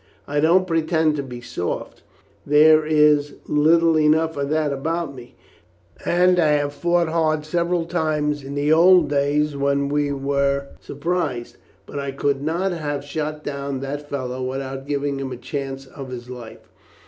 I don't pretend to be soft; there is little enough of that about me, and I have fought hard several times in the old days when we were surprised; but I could not have shot down that fellow without giving him a chance of his life.